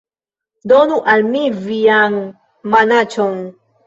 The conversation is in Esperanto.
Donu al mi vian manaĉon